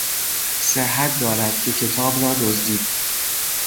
صحت دارد که کتاب را دزدید.